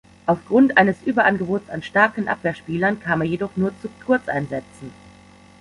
Aufgrund eines Überangebots an starken Abwehrspielern kam er jedoch nur zu Kurzeinsätzen.